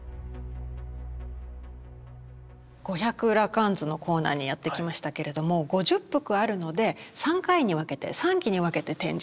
「五百羅漢図」のコーナーにやって来ましたけれども５０幅あるので３回に分けて３期に分けて展示中ということなんですね。